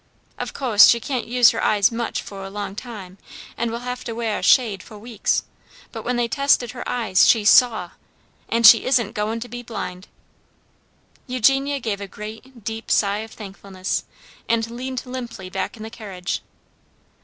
Of co'se she can't use her eyes much fo' a long time, and will have to weah a shade fo' weeks, but when they tested her eyes she saw! And she isn't goin' to be blind!" Eugenia gave a great, deep sigh of thankfulness, and leaned limply back in the carriage.